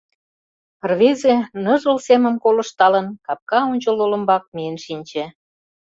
Рвезе, ныжыл семым колышталын, капка ончыл олымбак миен шинче.